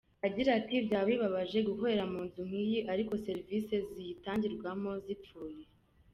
Agira ati “Byaba bibabaje gukorera mu nzu nk’iyi ariko serivisi ziyitangirwamo zipfuye.